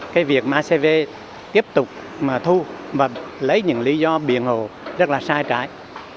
cái việc mà acv tiếp tục mà thu và lấy những lý do biển hồ rất là sai trái